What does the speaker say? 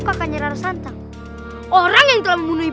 aku sudah kembali